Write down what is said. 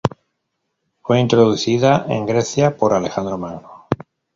Fue introducida en Grecia por Alejandro Magno.